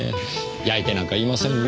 妬いてなんかいませんよ。